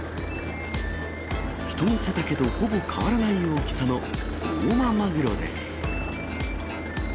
人の背丈とほぼ変わらない大きさの大間マグロです。